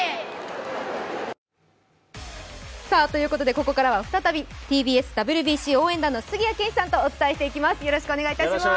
ここからは再び、ＴＢＳ・ＷＢＣ応援団の杉谷拳士さんとお伝えしていきます。